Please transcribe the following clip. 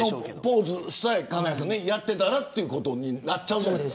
ポーズさえやっていたということになっちゃう。